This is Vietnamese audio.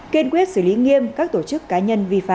kiên quyết xử lý nghiêm các tổ chức cá nhân vi phạm